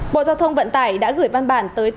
bộ giao thông vận tải đã gửi văn bản tới tổng cục đồng bộ